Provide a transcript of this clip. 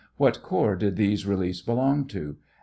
What corps did those reliefs belong to